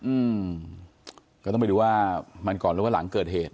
อืมก็ต้องไปดูว่ามันก่อนหรือว่าหลังเกิดเหตุ